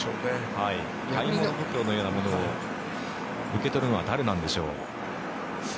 買い物袋のようなものを受け取るのは誰でしょう。